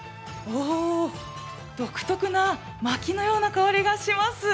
独特なまきのような香りがします。